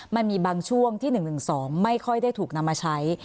มันมีบางช่วงที่๑๑๒ไม่ค่อยได้ถูกนำมาใช้